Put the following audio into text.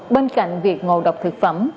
bên cạnh việc ngộ độc thực phẩm